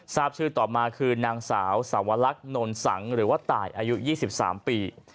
ทราบชื่อต่อมาคือนางสาวสวรรคนนสังหรือว่าตายอายุ๒๓ปี